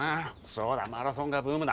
そうだマラソンがブームだ。